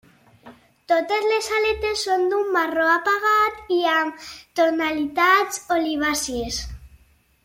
Totes les aletes són d'un marró apagat i amb tonalitats olivàcies.